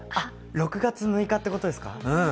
６月６日ってことですか